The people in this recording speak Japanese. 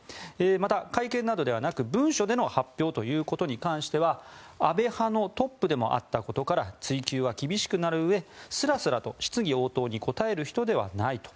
また、会見などではなく文書での発表ということに関しては安倍派のトップでもあったことから追及は厳しくなるうえスラスラと質疑応答に答える人ではないと。